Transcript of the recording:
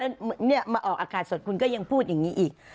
แล้วเนี่ยมาออกอากาศสดคุณก็ยังพูดอย่างนี้อีก